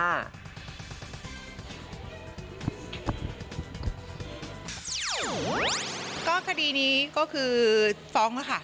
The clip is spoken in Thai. ก็คดีนี้ก็คือฟ้องแล้วค่ะ